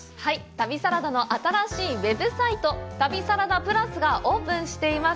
旅サラダの新しいウェブサイト「旅サラダＰＬＵＳ」がオープンしています！